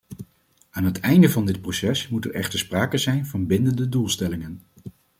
Aan het einde van dit proces moet er echter sprake zijn van bindende doelstellingen.